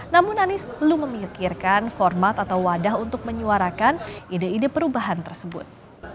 namun anies belum memikirkan format atau wadah untuk menyuarakan ide ide perubahan tersebut